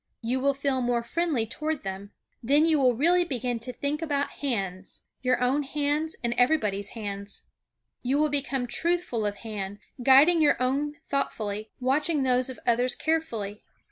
You will feel more friendly toward them. Then you will really begin to think about hands; your own hands and everybody's hands. You will become truthful of hand, guiding your own thoughtfully; watching those of others carefully.